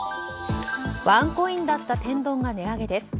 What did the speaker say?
ワンコインだった天丼が値上げです。